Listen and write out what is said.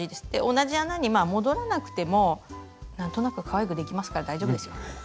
同じ穴に戻らなくても何となくかわいくできますから大丈夫ですよ。